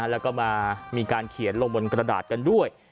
แล้วก็มามีการเขียนลงบนกระดาษกันด้วย